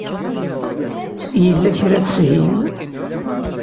Yella kra i teshim?